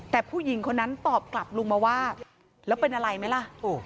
แต่ผู้หญิงคนนั้นตอบกลับลุงมาว่าแล้วเป็นอะไรไหมล่ะ